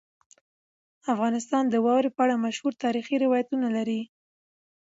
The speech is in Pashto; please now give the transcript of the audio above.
افغانستان د واوره په اړه مشهور تاریخی روایتونه لري.